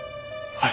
はい。